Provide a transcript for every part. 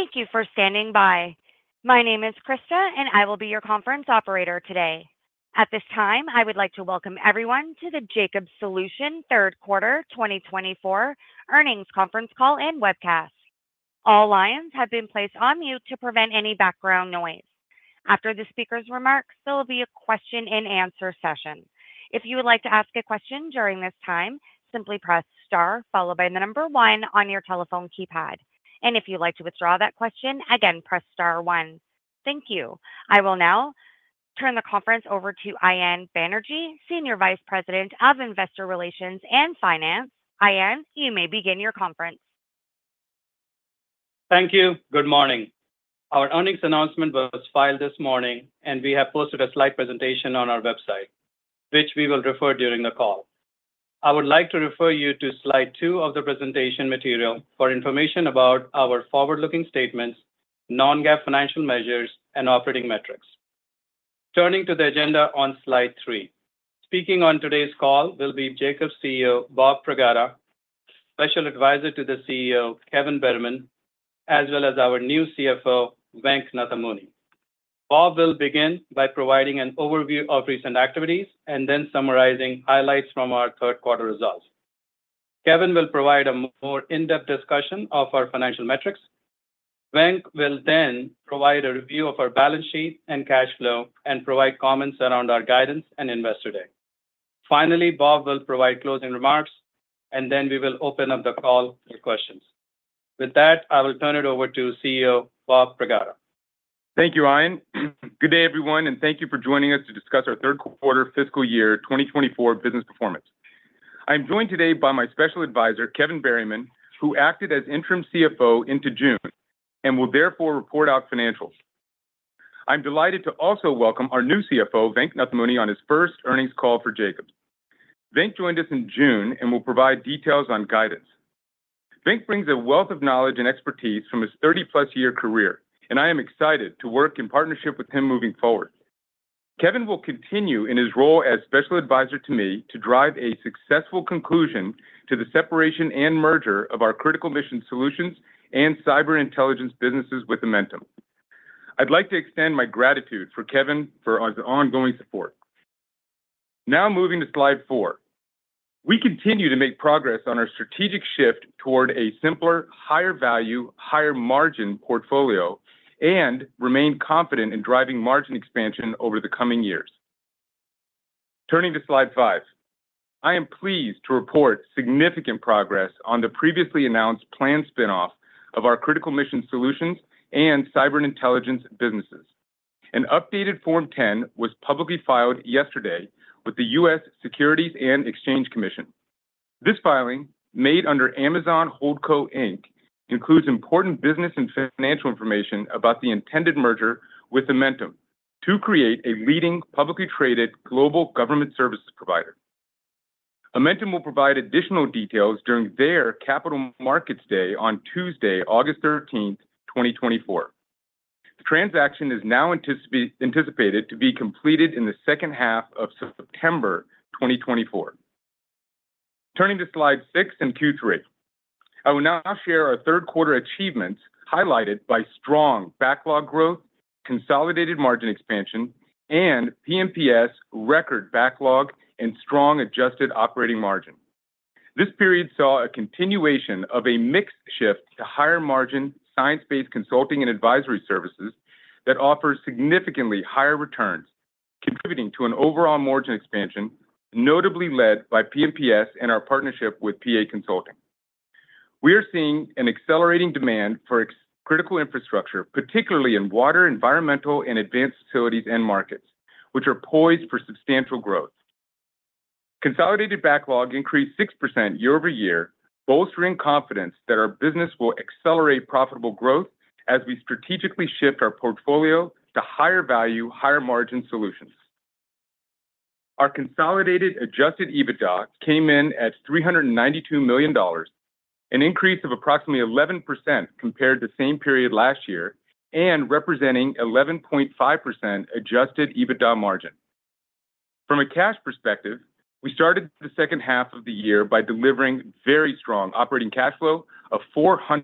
Thank you for standing by. My name is Krista, and I will be your conference operator today. At this time, I would like to welcome everyone to the Jacobs Solutions Third Quarter 2024 Earnings Conference Call and Webcast. All lines have been placed on mute to prevent any background noise. After the speaker's remarks, there will be a question and answer session. If you would like to ask a question during this time, simply press star followed by the number one on your telephone keypad. And if you'd like to withdraw that question, again, press star one. Thank you. I will now turn the conference over to Ayan Banerjee, Senior Vice President of Investor Relations and Finance. Ayan, you may begin your conference. Thank you. Good morning. Our earnings announcement was filed this morning, and we have posted a slide presentation on our website, which we will refer during the call. I would like to refer you to slide two of the presentation material for information about our forward-looking statements, non-GAAP financial measures, and operating metrics. Turning to the agenda on slide three. Speaking on today's call will be Jacobs CEO, Bob Pragada, Special Advisor to the CEO, Kevin Berryman, as well as our new CFO, Venk Nathamuni. Bob will begin by providing an overview of recent activities and then summarizing highlights from our third quarter results. Kevin will provide a more in-depth discussion of our financial metrics. Venk will then provide a review of our balance sheet and cash flow and provide comments around our guidance and Investor Day. Finally, Bob will provide closing remarks, and then we will open up the call for questions. With that, I will turn it over to CEO, Bob Pragada. Thank you, Ayan. Good day, everyone, and thank you for joining us to discuss our third quarter fiscal year 2024 business performance. I'm joined today by my special advisor, Kevin Berryman, who acted as interim CFO into June and will therefore report out financials. I'm delighted to also welcome our new CFO, Venk Nathamuni, on his first earnings call for Jacobs. Venk joined us in June and will provide details on guidance. Venk brings a wealth of knowledge and expertise from his 30-plus-year career, and I am excited to work in partnership with him moving forward. Kevin will continue in his role as special advisor to me to drive a successful conclusion to the separation and merger of our critical mission solutions and cyber intelligence businesses with Amentum. I'd like to extend my gratitude for Kevin for his ongoing support. Now, moving to slide four. We continue to make progress on our strategic shift toward a simpler, higher value, higher margin portfolio and remain confident in driving margin expansion over the coming years. Turning to slide five. I am pleased to report significant progress on the previously announced planned spin-off of our critical mission solutions and cyber intelligence businesses. An updated Form 10 was publicly filed yesterday with the U.S. Securities and Exchange Commission. This filing, made under Amazon Holdco Inc., includes important business and financial information about the intended merger with Amentum to create a leading, publicly traded global government services provider. Amentum will provide additional details during their Capital Markets Day on Tuesday, August 13, 2024. The transaction is now anticipated to be completed in the second half of September 2024. Turning to slide six and Q3. I will now share our third quarter achievements, highlighted by strong backlog growth, consolidated margin expansion, and P&PS record backlog and strong adjusted operating margin. This period saw a continuation of a mixed shift to higher-margin, science-based consulting and advisory services that offer significantly higher returns, contributing to an overall margin expansion, notably led by P&PS and our partnership with PA Consulting. We are seeing an accelerating demand for ex- critical infrastructure, particularly in water, environmental, and advanced facilities end markets, which are poised for substantial growth. Consolidated backlog increased 6% year-over-year, bolstering confidence that our business will accelerate profitable growth as we strategically shift our portfolio to higher-value, higher-margin solutions. Our consolidated Adjusted EBITDA came in at $392 million, an increase of approximately 11% compared to the same period last year and representing 11.5% Adjusted EBITDA margin. From a cash perspective, we started the second half of the year by delivering very strong operating cash flow of $483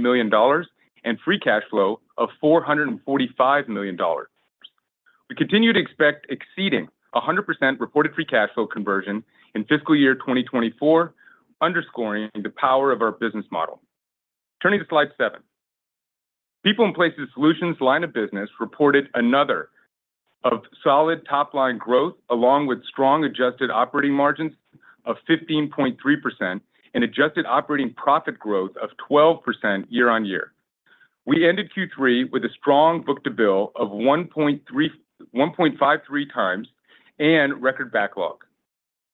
million and free cash flow of $445 million. We continue to expect exceeding 100% reported free cash flow conversion in fiscal year 2024, underscoring the power of our business model. Turning to slide seven. People & Places Solutions line of business reported another of solid top-line growth, along with strong adjusted operating margins of 15.3% and adjusted operating profit growth of 12% year-over-year. We ended Q3 with a strong book-to-bill of 1.3... 1.53 times and record backlog.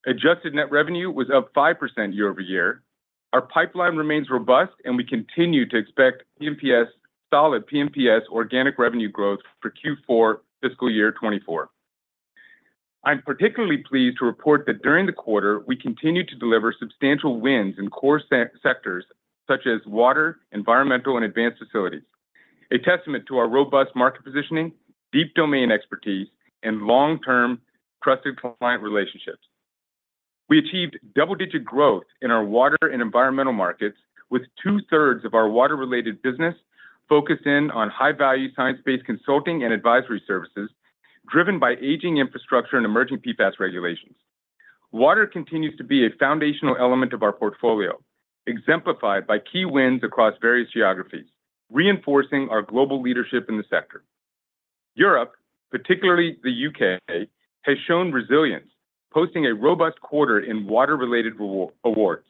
Adjusted net revenue was up 5% year-over-year. Our pipeline remains robust, and we continue to expect P&PS, solid P&PS organic revenue growth for Q4 fiscal year 2024. I'm particularly pleased to report that during the quarter, we continued to deliver substantial wins in core sectors such as water, environmental, and advanced facilities, a testament to our robust market positioning, deep domain expertise, and long-term trusted client relationships. We achieved double-digit growth in our water and environmental markets, with two-thirds of our water-related business focused in on high-value, science-based consulting and advisory services, driven by aging infrastructure and emerging PFAS regulations. Water continues to be a foundational element of our portfolio, exemplified by key wins across various geographies, reinforcing our global leadership in the sector. Europe, particularly the U.K., has shown resilience, posting a robust quarter in water-related awards.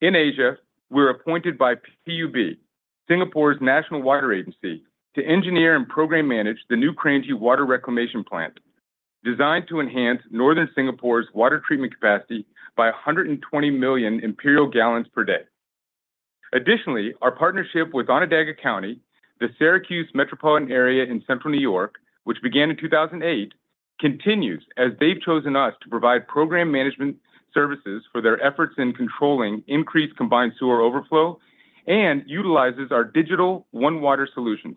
In Asia, we're appointed by PUB, Singapore's National Water Agency, to engineer and program manage the new Kranji Water Reclamation Plant, designed to enhance northern Singapore's water treatment capacity by 120 million imperial gallons per day. Additionally, our partnership with Onondaga County, the Syracuse metropolitan area in central New York, which began in 2008, continues as they've chosen us to provide program management services for their efforts in controlling increased combined sewer overflow and utilizes our Digital OneWater solutions.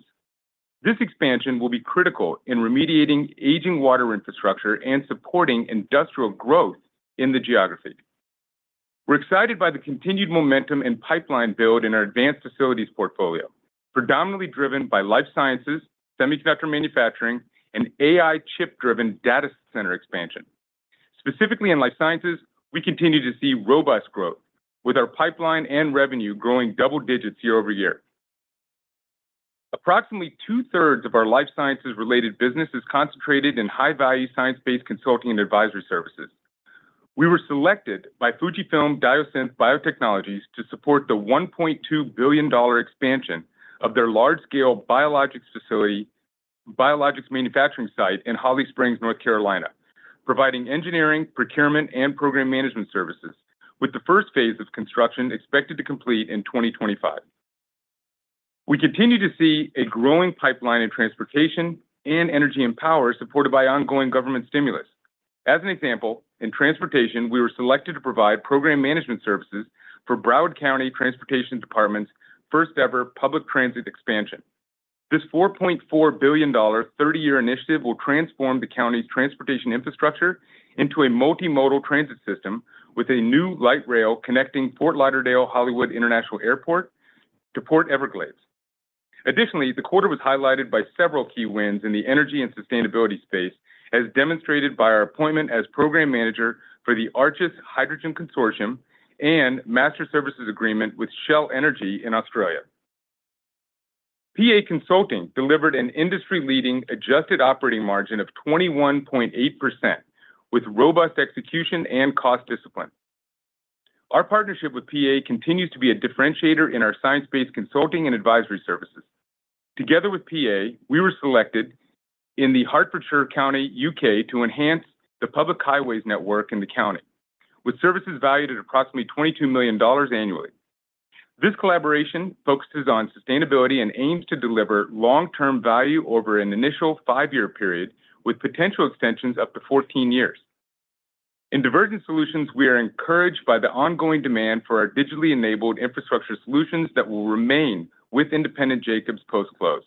This expansion will be critical in remediating aging water infrastructure and supporting industrial growth in the geography. We're excited by the continued momentum and pipeline build in our advanced facilities portfolio, predominantly driven by life sciences, semiconductor manufacturing, and AI chip-driven data center expansion. Specifically in life sciences, we continue to see robust growth, with our pipeline and revenue growing double digits year-over-year. Approximately two-thirds of our life sciences-related business is concentrated in high-value, science-based consulting and advisory services. We were selected by FUJIFILM Diosynth Biotechnologies to support the $1.2 billion expansion of their large-scale biologics facility, biologics manufacturing site in Holly Springs, North Carolina, providing engineering, procurement, and program management services, with the first phase of construction expected to complete in 2025. We continue to see a growing pipeline in transportation and energy and power, supported by ongoing government stimulus. As an example, in transportation, we were selected to provide program management services for Broward County Transportation Department's first-ever public transit expansion. This $4.4 billion, 30-year initiative will transform the county's transportation infrastructure into a multimodal transit system with a new light rail connecting Fort Lauderdale-Hollywood International Airport to Port Everglades. Additionally, the quarter was highlighted by several key wins in the energy and sustainability space, as demonstrated by our appointment as program manager for the ARCHES Hydrogen Consortium and master services agreement with Shell Energy in Australia. PA Consulting delivered an industry-leading adjusted operating margin of 21.8%, with robust execution and cost discipline. Our partnership with PA continues to be a differentiator in our science-based consulting and advisory services. Together with PA, we were selected in the Hertfordshire County, U.K., to enhance the public highways network in the county, with services valued at approximately $22 million annually. This collaboration focuses on sustainability and aims to deliver long-term value over an initial 5-year period, with potential extensions up to 14 years. In Divergent Solutions, we are encouraged by the ongoing demand for our digitally enabled infrastructure solutions that will remain with Independent Jacobs post-close.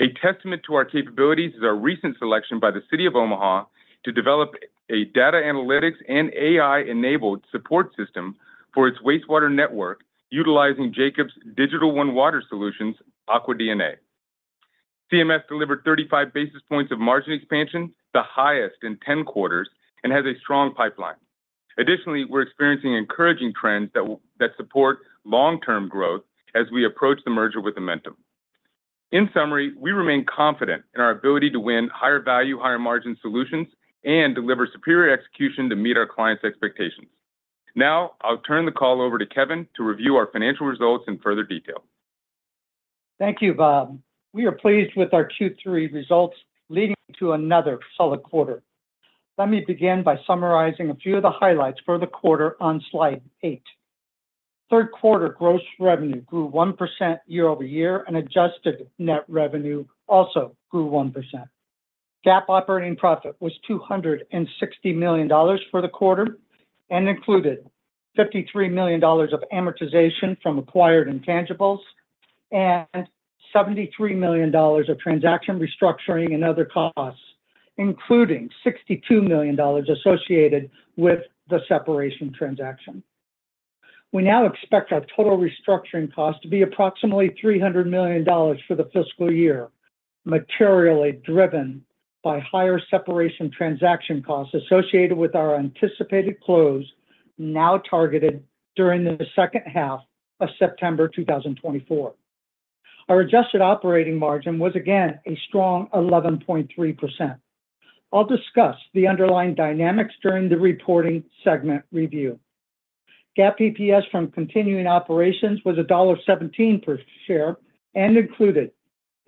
A testament to our capabilities is our recent selection by the City of Omaha to develop a data analytics and AI-enabled support system for its wastewater network, utilizing Jacobs' Digital OneWater solutions, Aqua DNA. CMS delivered 35 basis points of margin expansion, the highest in 10 quarters, and has a strong pipeline. Additionally, we're experiencing encouraging trends that support long-term growth as we approach the merger with Amentum. In summary, we remain confident in our ability to win higher-value, higher-margin solutions and deliver superior execution to meet our clients' expectations. Now, I'll turn the call over to Kevin to review our financial results in further detail. Thank you, Bob. We are pleased with our Q3 results, leading to another solid quarter. Let me begin by summarizing a few of the highlights for the quarter on slide eight. Third quarter gross revenue grew 1% year over year, and adjusted net revenue also grew 1%. GAAP operating profit was $260 million for the quarter and included $53 million of amortization from acquired intangibles and $73 million of transaction restructuring and other costs, including $62 million associated with the separation transaction. We now expect our total restructuring cost to be approximately $300 million for the fiscal year, materially driven by higher separation transaction costs associated with our anticipated close, now targeted during the second half of September 2024. Our adjusted operating margin was again a strong 11.3%. I'll discuss the underlying dynamics during the reporting segment review. GAAP EPS from continuing operations was $1.17 per share and included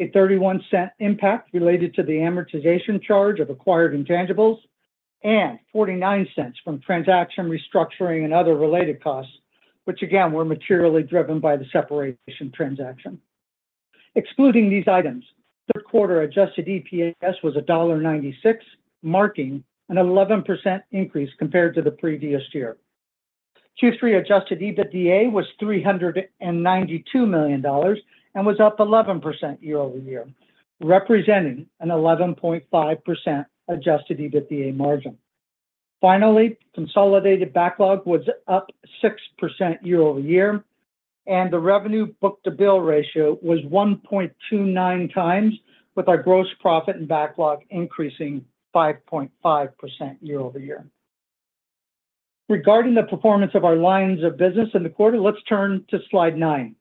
a $0.31 impact related to the amortization charge of acquired intangibles and $0.49 from transaction restructuring and other related costs, which again, were materially driven by the separation transaction. Excluding these items, third quarter Adjusted EPS was $1.96, marking an 11% increase compared to the previous year. Q3 Adjusted EBITDA was $392 million and was up 11% year-over-year, representing an 11.5% Adjusted EBITDA margin. Finally, consolidated backlog was up 6% year-over-year, and the revenue book-to-bill ratio was 1.29 times, with our gross profit and backlog increasing 5.5% year-over-year. Regarding the performance of our lines of business in the quarter, let's turn to slide nine.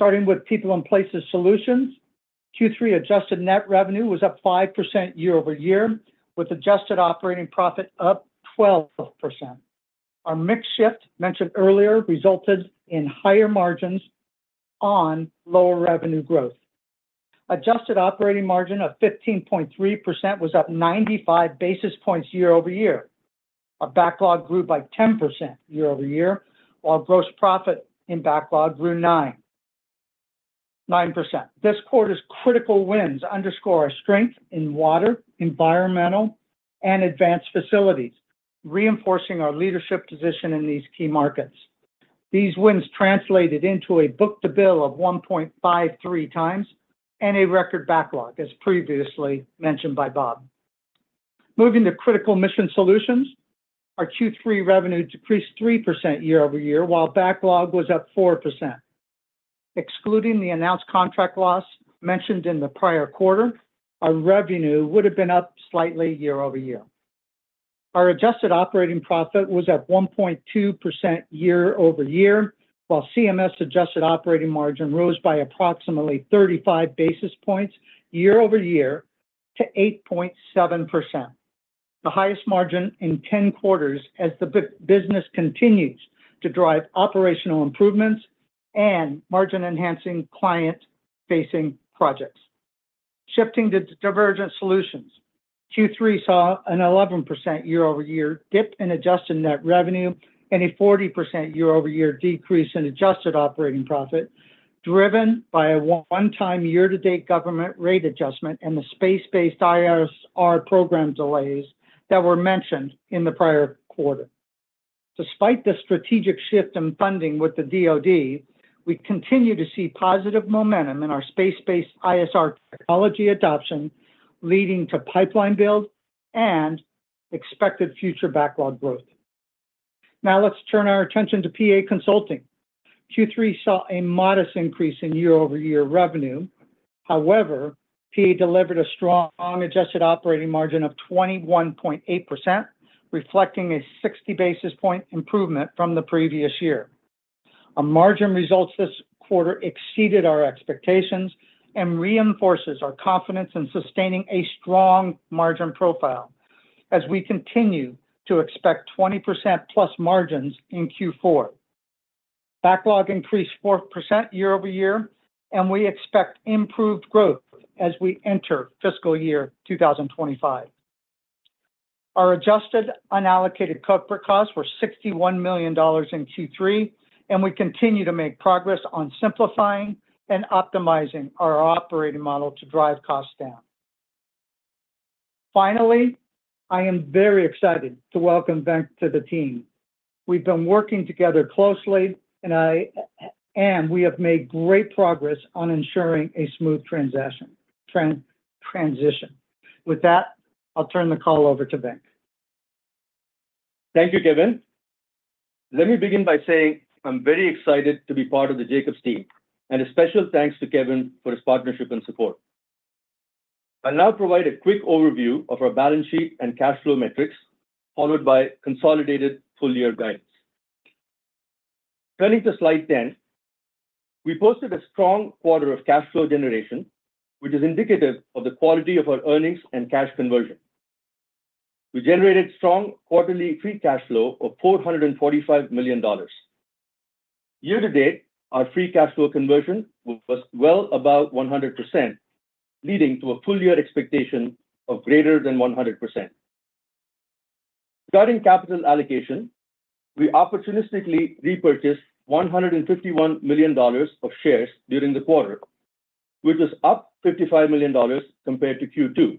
Starting with People & Places Solutions, Q3 adjusted net revenue was up 5% year-over-year, with adjusted operating profit up 12%. Our mix shift, mentioned earlier, resulted in higher margins on lower revenue growth. Adjusted operating margin of 15.3% was up 95 basis points year-over-year. Our backlog grew by 10% year-over-year, while gross profit in backlog grew 9.9%. This quarter's critical wins underscore our strength in water, environmental, and advanced facilities, reinforcing our leadership position in these key markets. These wins translated into a book-to-bill of 1.53x and a record backlog, as previously mentioned by Bob. Moving to Critical Mission Solutions, our Q3 revenue decreased 3% year-over-year, while backlog was up 4%. Excluding the announced contract loss mentioned in the prior quarter, our revenue would have been up slightly year-over-year. Our adjusted operating profit was at 1.2% year-over-year, while CMS adjusted operating margin rose by approximately 35 basis points year-over-year to 8.7%. The highest margin in 10 quarters as the business continues to drive operational improvements and margin-enhancing, client-facing projects. Shifting to Divergent Solutions, Q3 saw an 11% year-over-year dip in adjusted net revenue and a 40% year-over-year decrease in adjusted operating profit, driven by a one-time year-to-date government rate adjustment and the space-based ISR program delays that were mentioned in the prior quarter. Despite the strategic shift in funding with the DoD, we continue to see positive momentum in our space-based ISR technology adoption, leading to pipeline build and expected future backlog growth. Now, let's turn our attention to PA Consulting. Q3 saw a modest increase in year-over-year revenue. However, PA delivered a strong adjusted operating margin of 21.8%, reflecting a 60 basis point improvement from the previous year. Our margin results this quarter exceeded our expectations and reinforces our confidence in sustaining a strong margin profile as we continue to expect 20%+ margins in Q4. Backlog increased 4% year over year, and we expect improved growth as we enter fiscal year 2025. Our adjusted unallocated corporate costs were $61 million in Q3, and we continue to make progress on simplifying and optimizing our operating model to drive costs down. Finally, I am very excited to welcome Venk to the team. We've been working together closely, and we have made great progress on ensuring a smooth transaction transition. With that, I'll turn the call over to Venk. Thank you, Kevin. Let me begin by saying I'm very excited to be part of the Jacobs team, and a special thanks to Kevin for his partnership and support. I'll now provide a quick overview of our balance sheet and cash flow metrics, followed by consolidated full-year guidance. Turning to slide 10, we posted a strong quarter of cash flow generation, which is indicative of the quality of our earnings and cash conversion. We generated strong quarterly free cash flow of $445 million. Year to date, our free cash flow conversion was well above 100%, leading to a full year expectation of greater than 100%. Regarding capital allocation, we opportunistically repurchased $151 million of shares during the quarter, which was up $55 million compared to Q2,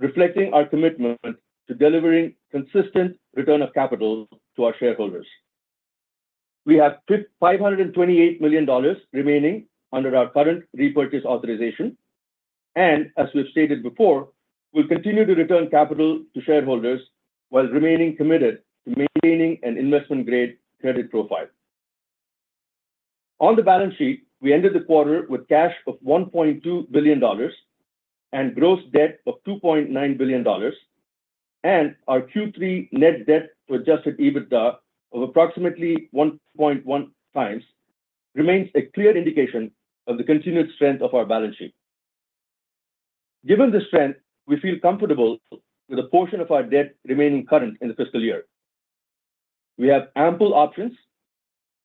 reflecting our commitment to delivering consistent return of capital to our shareholders. We have $528 million remaining under our current repurchase authorization, and as we've stated before, we'll continue to return capital to shareholders while remaining committed to maintaining an investment-grade credit profile. On the balance sheet, we ended the quarter with cash of $1.2 billion and gross debt of $2.9 billion, and our Q3 net debt to Adjusted EBITDA of approximately 1.1x, remains a clear indication of the continued strength of our balance sheet. Given the strength, we feel comfortable with a portion of our debt remaining current in the fiscal year. We have ample options,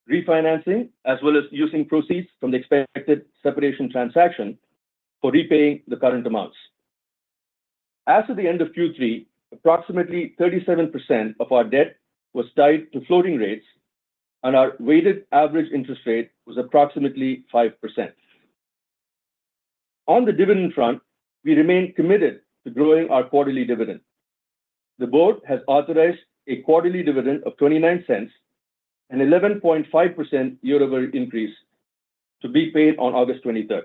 refinancing, as well as using proceeds from the expected separation transaction for repaying the current amounts. As of the end of Q3, approximately 37% of our debt was tied to floating rates, and our weighted average interest rate was approximately 5%.... On the dividend front, we remain committed to growing our quarterly dividend. The board has authorized a quarterly dividend of $0.29, an 11.5% year-over-year increase, to be paid on August 23.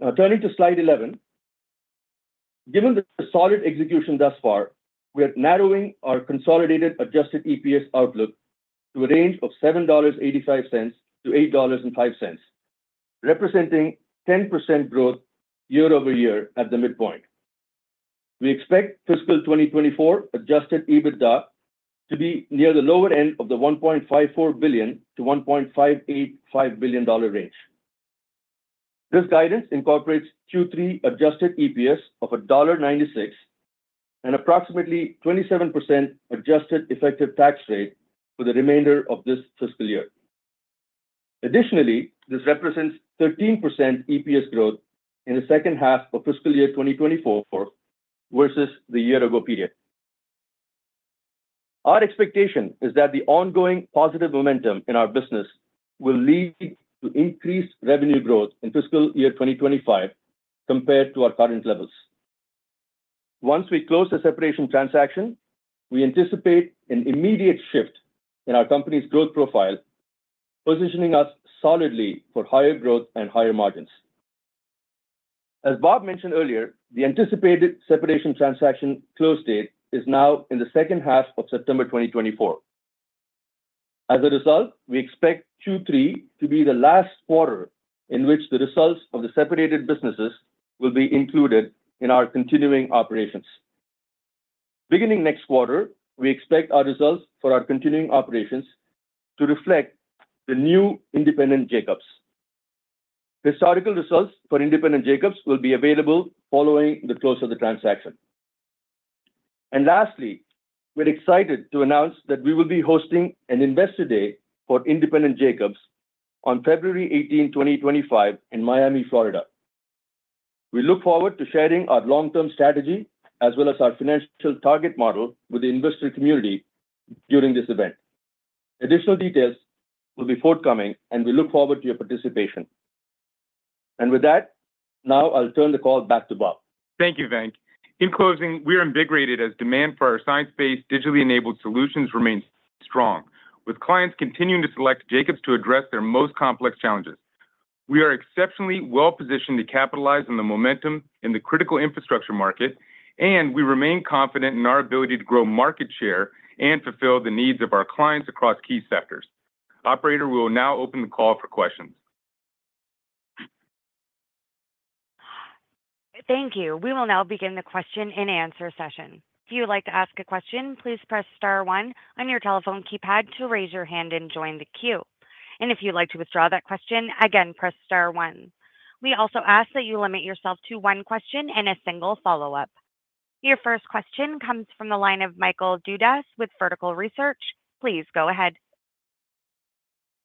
Now turning to slide 11. Given the solid execution thus far, we are narrowing our consolidated Adjusted EPS outlook to a range of $7.85-$8.05, representing 10% growth year-over-year at the midpoint. We expect fiscal 2024 Adjusted EBITDA to be near the lower end of the $1.54 billion-$1.585 billion range. This guidance incorporates Q3 Adjusted EPS of $1.96 and approximately 27% adjusted effective tax rate for the remainder of this fiscal year. Additionally, this represents 13% EPS growth in the second half of fiscal year 2024 versus the year ago period. Our expectation is that the ongoing positive momentum in our business will lead to increased revenue growth in fiscal year 2025 compared to our current levels. Once we close the separation transaction, we anticipate an immediate shift in our company's growth profile, positioning us solidly for higher growth and higher margins. As Bob mentioned earlier, the anticipated separation transaction close date is now in the second half of September 2024. As a result, we expect Q3 to be the last quarter in which the results of the separated businesses will be included in our continuing operations. Beginning next quarter, we expect our results for our continuing operations to reflect the new independent Jacobs. Historical results for independent Jacobs will be available following the close of the transaction. Lastly, we're excited to announce that we will be hosting an Investor Day for Independent Jacobs on February 18, 2025 in Miami, Florida. We look forward to sharing our long-term strategy as well as our financial target model with the investor community during this event. Additional details will be forthcoming, and we look forward to your participation. With that, now I'll turn the call back to Bob. Thank you, Venk. In closing, we are invigorated as demand for our science-based, digitally-enabled solutions remains strong, with clients continuing to select Jacobs to address their most complex challenges. We are exceptionally well positioned to capitalize on the momentum in the critical infrastructure market, and we remain confident in our ability to grow market share and fulfill the needs of our clients across key sectors. Operator, we will now open the call for questions. Thank you. We will now begin the question-and-answer session. If you would like to ask a question, please press star one on your telephone keypad to raise your hand and join the queue. And if you'd like to withdraw that question, again, press star one. We also ask that you limit yourself to one question and a single follow-up. Your first question comes from the line of Michael Dudas with Vertical Research. Please go ahead.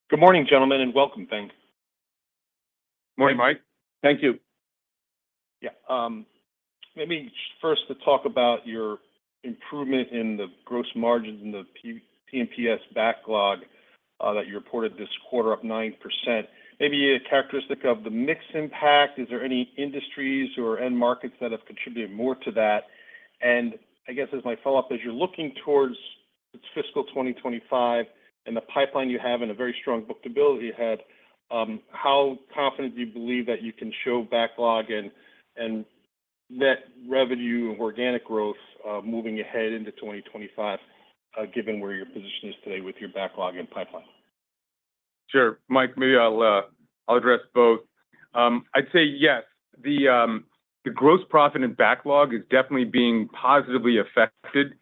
Good morning, gentlemen, and welcome, thanks. Morning, Mike. Thank you. Yeah, maybe first to talk about your improvement in the gross margins and the P&PS backlog, that you reported this quarter, up 9%. Maybe a characteristic of the mix impact, is there any industries or end markets that have contributed more to that? And I guess as my follow-up, as you're looking towards fiscal 2025 and the pipeline you have and a very strong book-to-bill you had, how confident do you believe that you can show backlog and net revenue and organic growth, moving ahead into 2025, given where your position is today with your backlog and pipeline? Sure. Mike, maybe I'll, I'll address both. I'd say yes, the gross profit and backlog is definitely being positively affected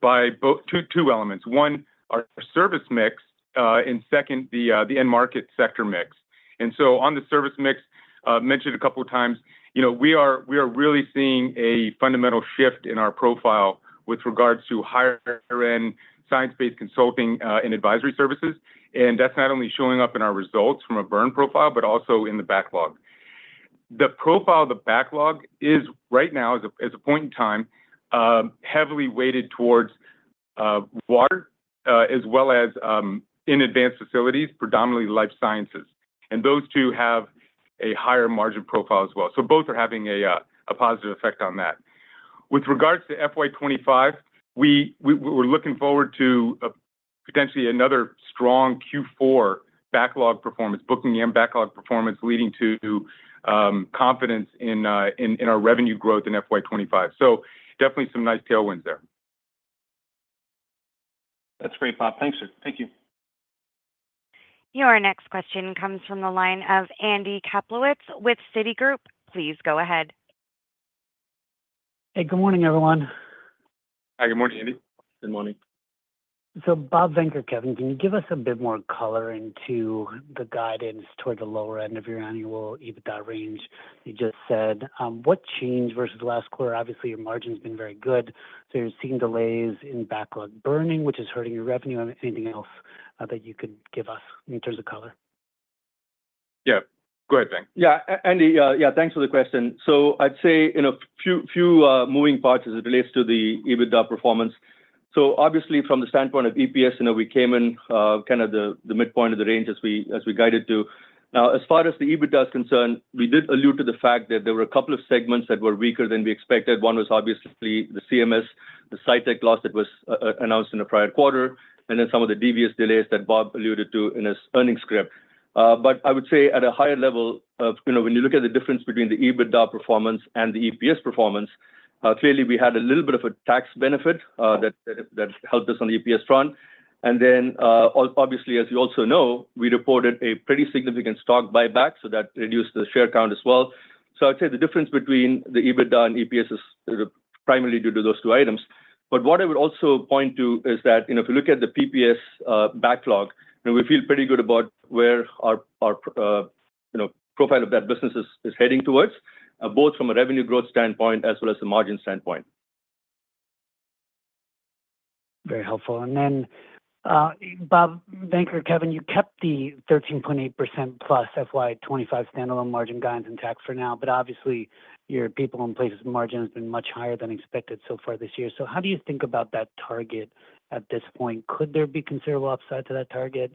by both two elements. One, our service mix, and second, the end market sector mix. And so on the service mix, mentioned a couple of times, you know, we are really seeing a fundamental shift in our profile with regards to higher-end science-based consulting and advisory services. And that's not only showing up in our results from a burn profile, but also in the backlog. The profile of the backlog is, right now, as a point in time, heavily weighted towards water, as well as in advanced facilities, predominantly life sciences. And those two have a positive effect on that. With regards to FY 2025, we, we're looking forward to a potentially another strong Q4 backlog performance, booking and backlog performance, leading to confidence in in our revenue growth in FY 2025. So definitely some nice tailwinds there. That's great, Bob. Thanks, sir. Thank you. Your next question comes from the line of Andy Kaplowitz with Citigroup. Please go ahead. Hey, good morning, everyone. Hi, good morning, Andy. Good morning. So Bob, Venkat, Kevin, can you give us a bit more color into the guidance toward the lower end of your annual EBITDA range you just said? What changed versus last quarter? Obviously, your margin's been very good, so you're seeing delays in backlog burning, which is hurting your revenue. Anything else that you could give us in terms of color? Yeah. Go ahead, Venk. Yeah. Andy, yeah, thanks for the question. So I'd say in a few moving parts as it relates to the EBITDA performance. So obviously from the standpoint of EPS, you know, we came in kind of the midpoint of the range as we guided to. Now, as far as the EBITDA is concerned, we did allude to the fact that there were a couple of segments that were weaker than we expected. One was obviously the CMS, the SITEC loss that was announced in the prior quarter, and then some of the divestiture delays that Bob alluded to in his earnings script. But I would say at a higher level of, you know, when you look at the difference between the EBITDA performance and the EPS performance, clearly, we had a little bit of a tax benefit, that, that, that helped us on the EPS front. And then, obviously, as you also know, we reported a pretty significant stock buyback, so that reduced the share count as well. So I'd say the difference between the EBITDA and EPS is sort of primarily due to those two items. But what I would also point to is that, you know, if you look at the P&PS backlog, and we feel pretty good about where our, our, you know, profile of that business is, is heading towards, both from a revenue growth standpoint as well as a margin standpoint. Very helpful. Then, Bob, Venk, Kevin, you kept the 13.8%+ FY 2025 standalone margin guidance intact for now, but obviously, your people in places margin has been much higher than expected so far this year. So how do you think about that target at this point? Could there be considerable upside to that target?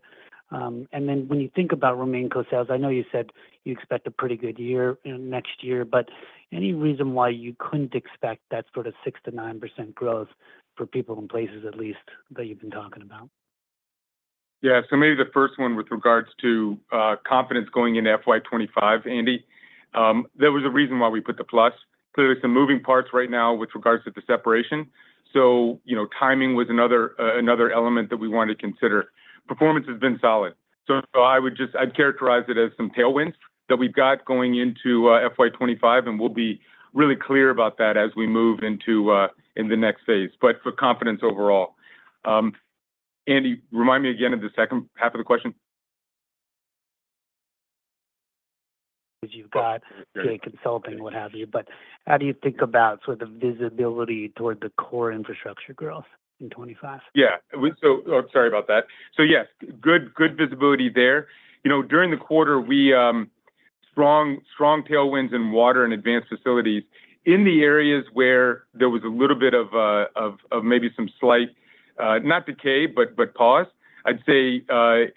And then when you think about remaining sales, I know you said you expect a pretty good year, you know, next year, but any reason why you couldn't expect that sort of 6%-9% growth for people in places at least, that you've been talking about? Yeah. So maybe the first one with regards to confidence going into FY 2025, Andy, there was a reason why we put the plus. Clearly, some moving parts right now with regards to the separation. So, you know, timing was another, another element that we wanted to consider. Performance has been solid. So, so I would just- I'd characterize it as some tailwinds that we've got going into FY 2025, and we'll be really clear about that as we move into in the next phase, but for confidence overall. Andy, remind me again of the second half of the question. Which you've got, yeah, consulting, what have you. But how do you think about sort of visibility toward the core infrastructure growth in 2025? Yeah. So, sorry about that. So yes, good, good visibility there. You know, during the quarter, we strong, strong tailwinds in water and advanced facilities in the areas where there was a little bit of, of maybe some slight, not decay, but pause, I'd say,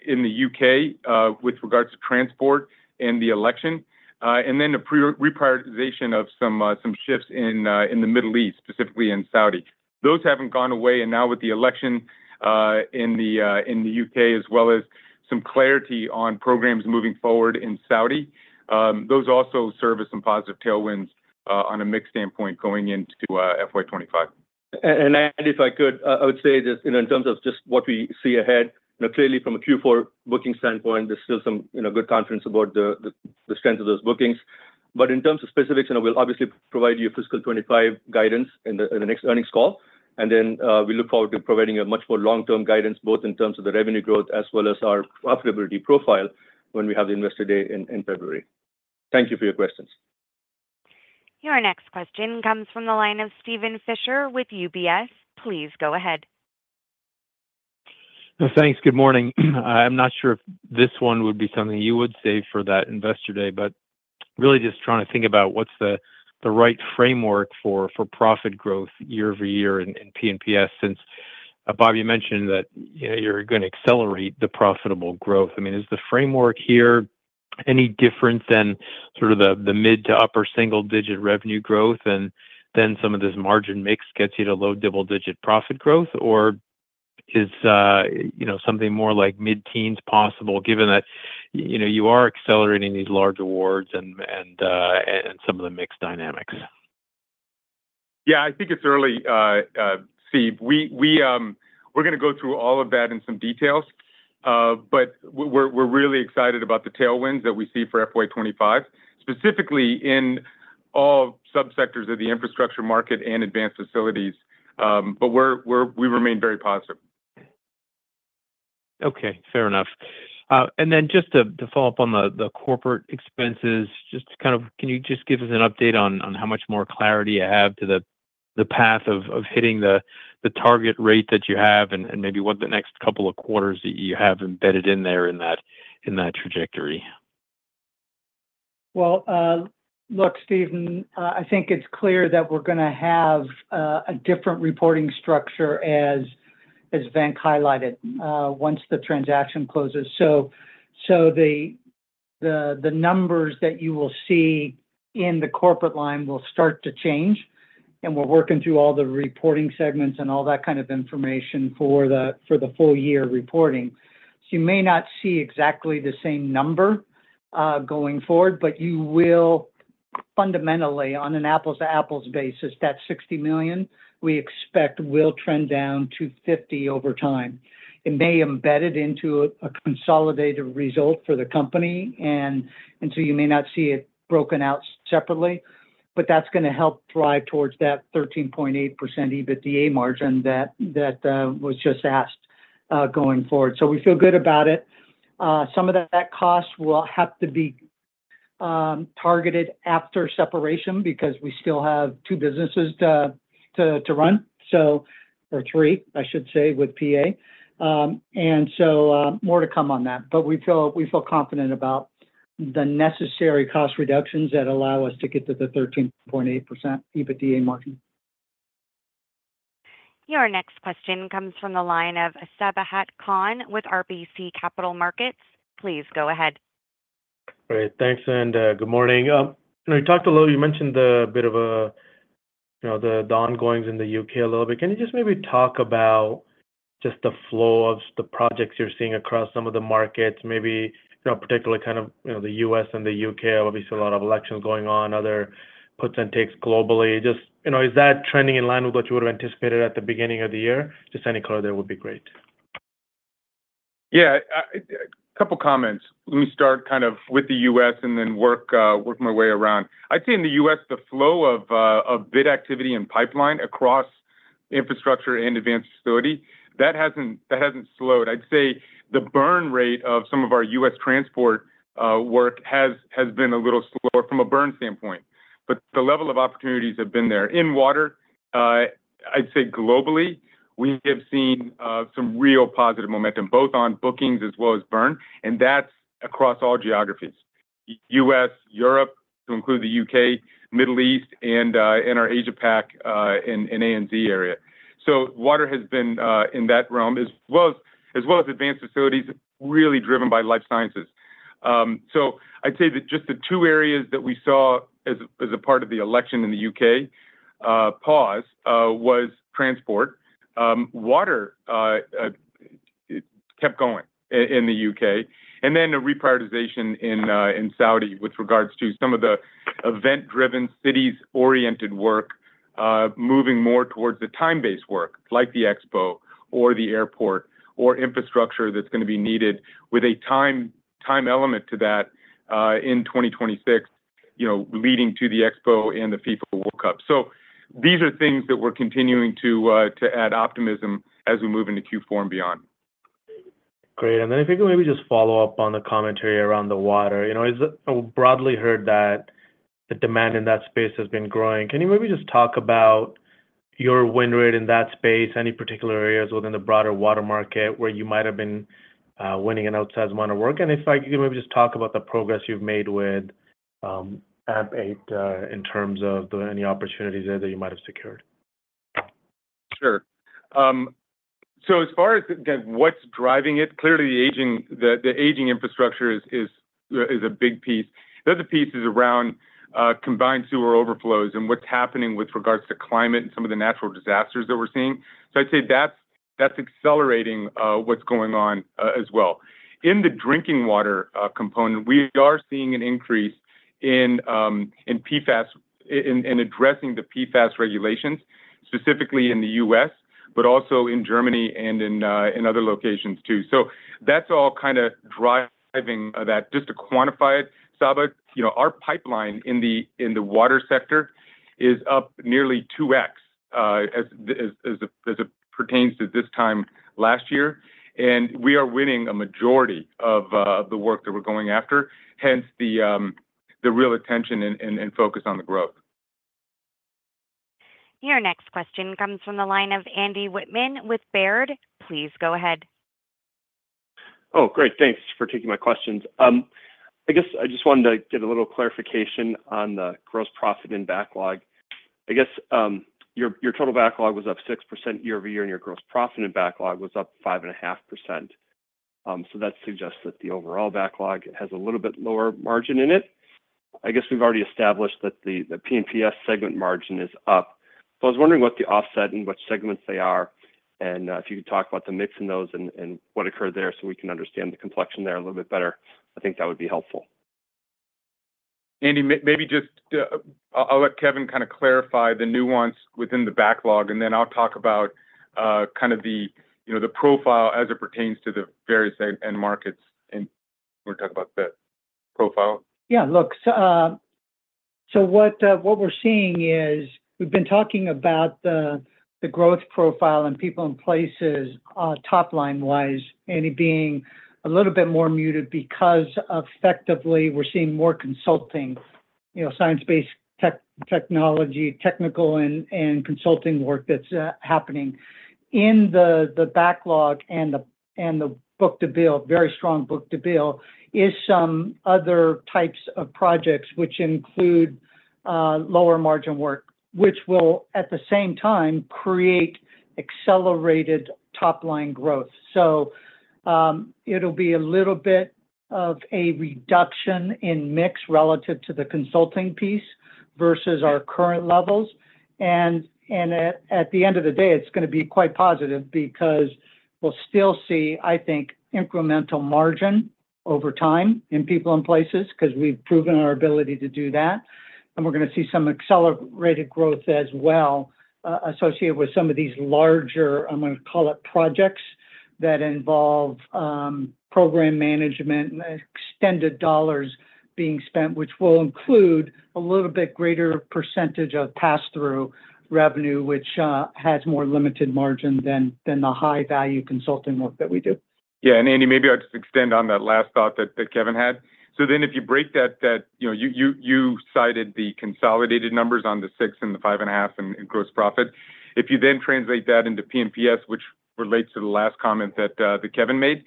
in the U.K., with regards to transport and the election, and then the reprioritization of some shifts in, in the Middle East, specifically in Saudi. Those haven't gone away, and now with the election, in the U.K., as well as some clarity on programs moving forward in Saudi, those also serve as some positive tailwinds, on a mix standpoint going into FY 2025. And if I could, I would say that, you know, in terms of just what we see ahead, you know, clearly from a Q4 booking standpoint, there's still some, you know, good confidence about the, the, the strength of those bookings. But in terms of specifics, and I will obviously provide you fiscal 2025 guidance in the, in the next earnings call, and then, we look forward to providing a much more long-term guidance, both in terms of the revenue growth as well as our profitability profile when we have the Investor Day in, in February. Thank you for your questions. Your next question comes from the line of Steven Fisher with UBS. Please go ahead. Thanks. Good morning. I'm not sure if this one would be something you would save for that Investor Day, but really just trying to think about what's the right framework for profit growth year over year in P&PS, since Bob, you mentioned that, you know, you're gonna accelerate the profitable growth. I mean, is the framework here any different than sort of the mid- to upper single-digit revenue growth, and then some of this margin mix gets you to low double-digit profit growth? Or is, you know, something more like mid-teens possible, given that, you know, you are accelerating these large awards and some of the mix dynamics? Yeah, I think it's early, Steve. We're gonna go through all of that in some details, but we're really excited about the tailwinds that we see for FY 2025, specifically in all subsectors of the infrastructure market and advanced facilities. But we remain very positive. Okay, fair enough. And then just to follow up on the corporate expenses, just to kind of... Can you just give us an update on how much more clarity you have to the path of hitting the target rate that you have, and maybe what the next couple of quarters you have embedded in there in that trajectory? Well, look, Steven, I think it's clear that we're gonna have a different reporting structure as Venk highlighted once the transaction closes. So the numbers that you will see in the corporate line will start to change, and we're working through all the reporting segments and all that kind of information for the full year reporting. So you may not see exactly the same number going forward, but you will fundamentally, on an apples-to-apples basis, that $60 million, we expect will trend down to $50 million over time. It may embed it into a consolidated result for the company, and so you may not see it broken out separately, but that's gonna help drive towards that 13.8% EBITDA margin that was just asked going forward. So we feel good about it. Some of that cost will have to be targeted after separation because we still have two businesses to run, or three, I should say, with PA. And so, more to come on that, but we feel confident about-... the necessary cost reductions that allow us to get to the 13.8% EBITDA margin. Your next question comes from the line of Sabahat Khan with RBC Capital Markets. Please go ahead. Great. Thanks, and good morning. You know, you talked a little, you mentioned the bit of a, you know, the ongoings in the U.K. a little bit. Can you just maybe talk about just the flow of the projects you're seeing across some of the markets, maybe, you know, particularly kind of, you know, the U.S. and the U.K., obviously, a lot of elections going on, other puts and takes globally. Just, you know, is that trending in line with what you would have anticipated at the beginning of the year? Just any color there would be great. Yeah, a couple of comments. Let me start kind of with the U.S. and then work my way around. I'd say in the U.S., the flow of bid activity and pipeline across infrastructure and advanced facility, that hasn't slowed. I'd say the burn rate of some of our U.S. transport work has been a little slower from a burn standpoint, but the level of opportunities have been there. In water, I'd say globally, we have seen some real positive momentum, both on bookings as well as burn, and that's across all geographies. U.S., Europe, to include the U.K., Middle East, and in our Asia Pac and ANZ area. So water has been in that realm, as well as advanced facilities, really driven by life sciences. So I'd say that just the two areas that we saw as a part of the election in the U.K. pause was transport. Water kept going in the U.K., and then a reprioritization in Saudi with regards to some of the event-driven, cities-oriented work moving more towards the time-based work, like the Expo or the airport or infrastructure that's gonna be needed with a time, time element to that in 2026, you know, leading to the Expo and the FIFA World Cup. So these are things that we're continuing to add optimism as we move into Q4 and beyond. Great. And then if you could maybe just follow up on the commentary around the water. You know, it's broadly heard that the demand in that space has been growing. Can you maybe just talk about your win rate in that space, any particular areas within the broader water market where you might have been winning an outsized amount of work? And if I can maybe just talk about the progress you've made with Aqua DNA in terms of any opportunities there that you might have secured. Sure. So as far as the-what's driving it, clearly, the aging infrastructure is a big piece. The other piece is around combined sewer overflows and what's happening with regards to climate and some of the natural disasters that we're seeing. So I'd say that's accelerating what's going on as well. In the drinking water component, we are seeing an increase in PFAS, in addressing the PFAS regulations, specifically in the US, but also in Germany and in other locations, too. So that's all kinda driving that. Just to quantify it, Sabahat, you know, our pipeline in the water sector is up nearly 2x as it pertains to this time last year, and we are winning a majority of the work that we're going after, hence the real attention and focus on the growth. Your next question comes from the line of Andy Wittman with Baird. Please go ahead. Oh, great. Thanks for taking my questions. I guess I just wanted to get a little clarification on the gross profit and backlog. I guess, your total backlog was up 6% year-over-year, and your gross profit and backlog was up 5.5%. So that suggests that the overall backlog has a little bit lower margin in it. I guess we've already established that the P&PS segment margin is up. So I was wondering what the offset and which segments they are, and if you could talk about the mix in those and what occurred there, so we can understand the complexion there a little bit better, I think that would be helpful. Andy, maybe just, I'll let Kevin kind of clarify the nuance within the backlog, and then I'll talk about, kind of the, you know, the profile as it pertains to the various end markets, and we'll talk about the profile. Yeah, look, so, so what we're seeing is, we've been talking about the, the growth profile and people in places, top-line wise, and it being a little bit more muted because effectively we're seeing more consulting, you know, science-based technology, technical and, and consulting work that's happening. In the, the backlog and the, and the book-to-bill, very strong book-to-bill, is some other types of projects which include, lower margin work, which will, at the same time, create accelerated top-line growth. So, it'll be a little bit of a reduction in mix relative to the consulting piece versus our current levels, and at the end of the day, it's gonna be quite positive because we'll still see, I think, incremental margin over time in People & Places, 'cause we've proven our ability to do that, and we're gonna see some accelerated growth as well, associated with some of these larger, I'm gonna call it, projects that involve program management and extended dollars being spent, which will include a little bit greater percentage of pass-through revenue, which has more limited margin than the high-value consulting work that we do. Yeah, and Andy, maybe I'll just extend on that last thought that Kevin had. So then if you break that, you know, you cited the consolidated numbers on the 6 and the 5.5 in gross profit. If you then translate that into P&PS, which relates to the last comment that Kevin made,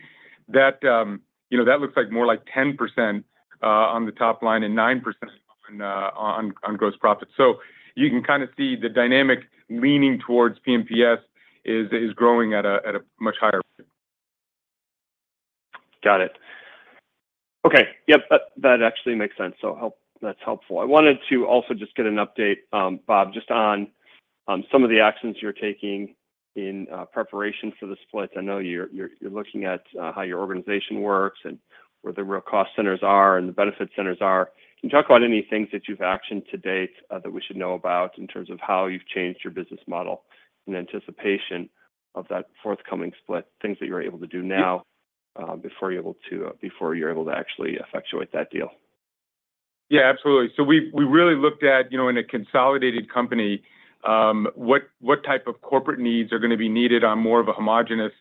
that you know, that looks like more like 10% on the top line and 9% on gross profit. So you can kind of see the dynamic leaning towards P&PS is growing at a much higher rate. Got it. Okay. Yep, that, that actually makes sense, so that's helpful. I wanted to also just get an update, Bob, just on some of the actions you're taking in preparation for the split. I know you're looking at how your organization works and where the real cost centers are and the benefit centers are. Can you talk about any things that you've actioned to date that we should know about in terms of how you've changed your business model in anticipation of that forthcoming split, things that you're able to do now, before you're able to actually effectuate that deal? Yeah, absolutely. So we've we really looked at, you know, in a consolidated company, what, what type of corporate needs are gonna be needed on more of a homogenous...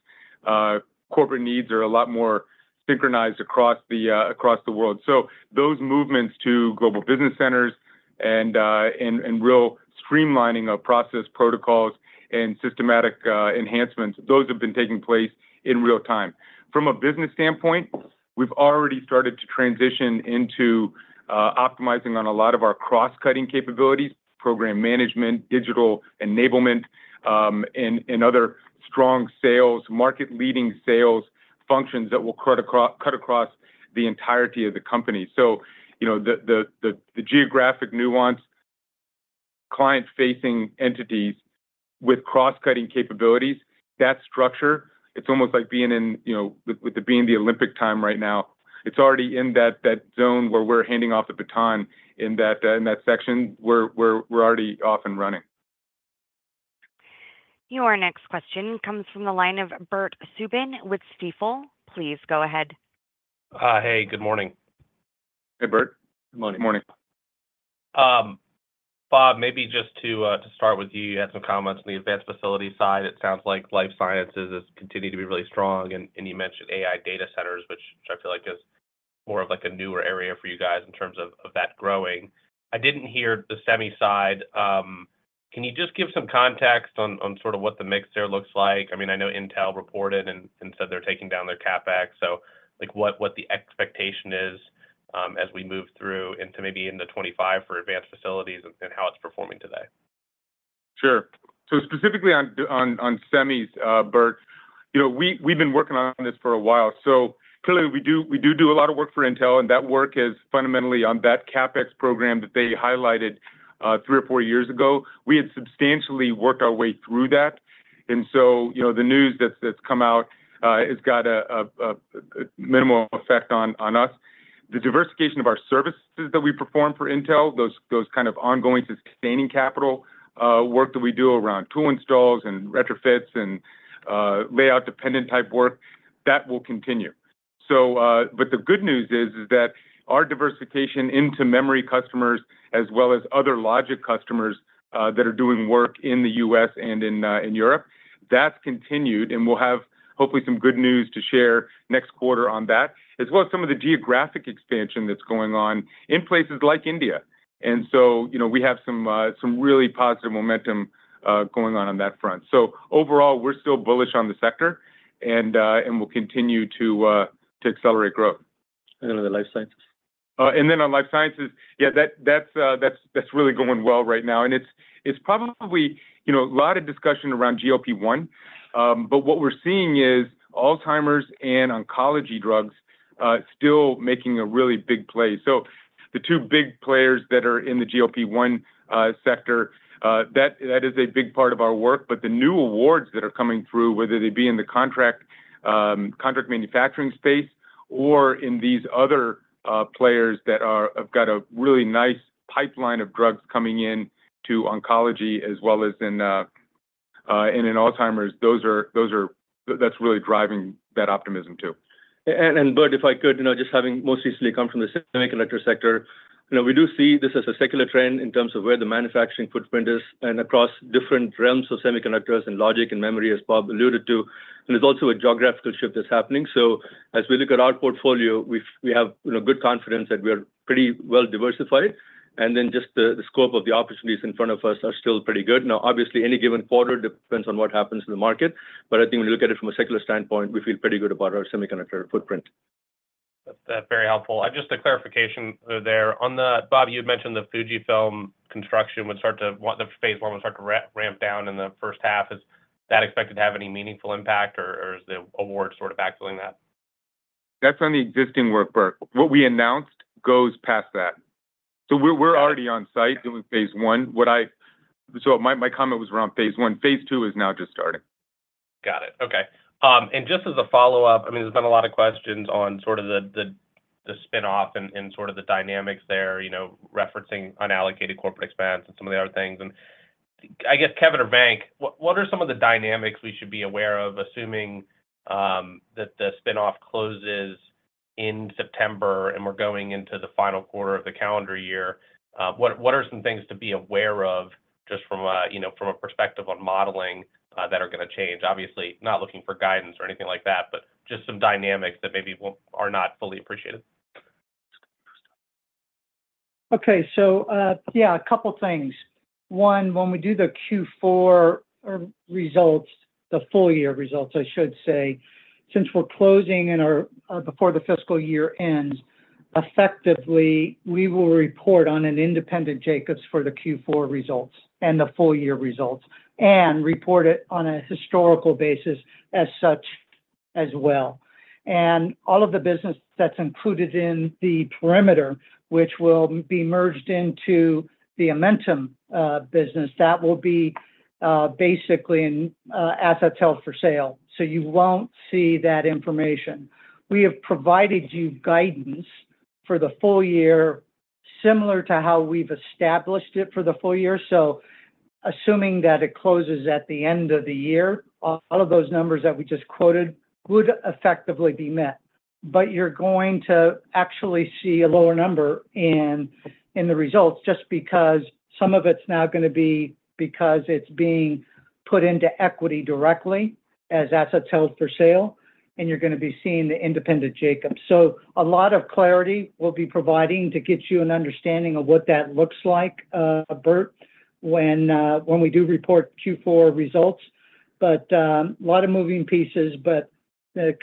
Corporate needs are a lot more synchronized across the, across the world. So those movements to global business centers and, and real streamlining of process protocols and systematic, enhancements, those have been taking place in real time. From a business standpoint, we've already started to transition into, optimizing on a lot of our cross-cutting capabilities, program management, digital enablement, and other strong sales, market-leading sales functions that will cut across the entirety of the company. So, you know, the geographic nuance, client-facing entities with cross-cutting capabilities, that structure, it's almost like being in, you know, it being the Olympic time right now. It's already in that zone where we're handing off the baton in that section. We're already off and running. Your next question comes from the line of Bert Subin with Stifel. Please go ahead. Hey, good morning. Hey, Bert. Good morning. Morning. Bob, maybe just to start with you, you had some comments on the advanced facilities side. It sounds like life sciences has continued to be really strong, and you mentioned AI data centers, which I feel like is more of like a newer area for you guys in terms of that growing. I didn't hear the semi side. Can you just give some context on sort of what the mix there looks like? I mean, I know Intel reported and said they're taking down their CapEx, so like what the expectation is as we move through into maybe into 2025 for advanced facilities and how it's performing today? Sure. So specifically on, on semis, Bert, you know, we've been working on this for a while. So clearly, we do do a lot of work for Intel, and that work is fundamentally on that CapEx program that they highlighted three or four years ago. We had substantially worked our way through that. And so, you know, the news that's come out has got a minimal effect on us. The diversification of our services that we perform for Intel, those kind of ongoing sustaining capital work that we do around tool installs and retrofits and layout-dependent type work, that will continue. So, but the good news is that our diversification into memory customers, as well as other logic customers, that are doing work in the U.S. and in Europe, that's continued, and we'll have, hopefully, some good news to share next quarter on that, as well as some of the geographic expansion that's going on in places like India. And so, you know, we have some really positive momentum going on that front. So overall, we're still bullish on the sector and we'll continue to accelerate growth. And then the life sciences. And then on life sciences, yeah, that's really going well right now, and it's probably, you know, a lot of discussion around GLP-1. But what we're seeing is Alzheimer's and oncology drugs still making a really big play. So the two big players that are in the GLP-1 sector, that is a big part of our work, but the new awards that are coming through, whether they be in the contract manufacturing space or in these other players that have got a really nice pipeline of drugs coming in to oncology, as well as in Alzheimer's, that's really driving that optimism, too. Bert, if I could, you know, just having most recently come from the semiconductor sector, you know, we do see this as a secular trend in terms of where the manufacturing footprint is and across different realms of semiconductors and logic and memory, as Bob alluded to, and there's also a geographical shift that's happening. So as we look at our portfolio, we have, you know, good confidence that we are pretty well diversified, and then just the scope of the opportunities in front of us are still pretty good. Now, obviously, any given quarter depends on what happens in the market, but I think when you look at it from a secular standpoint, we feel pretty good about our semiconductor footprint. That's very helpful. Just a clarification there. On the, Bob, you had mentioned the Fujifilm construction would start to, what the phase one would start to ramp down in the first half. Is that expected to have any meaningful impact, or is the award sort of backfilling that? That's on the existing work, Bert. What we announced goes past that. So we're already on site doing phase one. So my comment was around phase I. Phase II is now just starting. Got it. Okay. And just as a follow-up, I mean, there's been a lot of questions on sort of the spin-off and sort of the dynamics there, you know, referencing unallocated corporate expense and some of the other things. And I guess, Kevin or Venk, what are some of the dynamics we should be aware of, assuming that the spin-off closes in September, and we're going into the final quarter of the calendar year? What are some things to be aware of, just from a, you know, from a perspective on modeling, that are gonna change? Obviously, not looking for guidance or anything like that, but just some dynamics that maybe are not fully appreciated. Okay, so, yeah, a couple things. One, when we do the Q4, results, the full year results, I should say, since we're closing and are, before the fiscal year ends, effectively, we will report on an independent Jacobs for the Q4 results and the full year results, and report it on a historical basis as such as well. And all of the business that's included in the perimeter, which will be merged into the Amentum, business, that will be, basically in, assets held for sale. So you won't see that information. We have provided you guidance for the full year, similar to how we've established it for the full year. So assuming that it closes at the end of the year, all, all of those numbers that we just quoted would effectively be met. But you're going to actually see a lower number in the results, just because some of it's now gonna be because it's being put into equity directly as assets held for sale, and you're gonna be seeing the independent Jacobs. So a lot of clarity we'll be providing to get you an understanding of what that looks like, Bert, when we do report Q4 results. But, a lot of moving pieces, but,